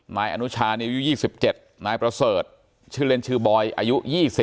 นายอนุชานี่อายุ๒๗ปีนายประเสริฐเรียนชื่อบอยอายุ๒๐ปี